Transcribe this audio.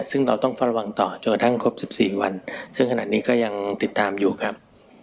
ซึ่งเราต้องเฝ้าระวังต่อจนกระทั่งครบ๑๔วันซึ่งขณะนี้ก็ยังติดตามอยู่ครับ